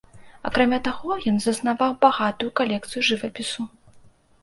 Акрамя таго ён заснаваў багатую калекцыю жывапісу.